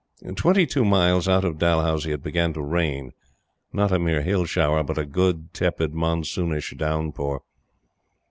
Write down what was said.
Twenty two miles out of Dalhousie it began to rain not a mere hill shower, but a good, tepid monsoonish downpour.